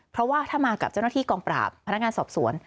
เพราะว่าถ้ามากับเจ้าหน้าที่กองปราบพนักงานสอบสวน